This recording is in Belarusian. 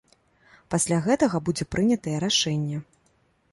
Пасля гэтага будзе прынятае рашэнне.